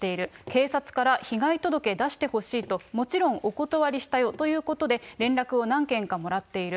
警察から被害届出してほしいと、もちろん、お断りしたよということで、連絡を何件かもらっている。